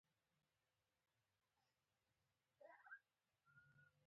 بیا هم باید له همدې ژوندلیکه ګټه واخیستل شي.